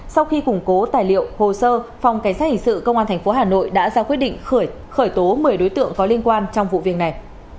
sau khi củng cố tài liệu hồ sơ phòng cảnh sát hình sự công an tp hà nội đã ra quyết định khởi tố một mươi đối tượng có liên quan trong vụ việc này